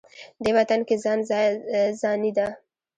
دې وطن کې ځان ځاني ده.